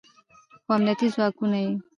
خو امنیتي ځواکونه یې